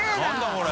これ。